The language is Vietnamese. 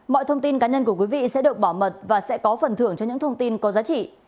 mọi thông tin cá nhân của quý vị sẽ được bảo mật và sẽ có phần thưởng cho những thông tin có giá trị